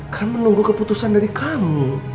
kan menunggu keputusan dari kami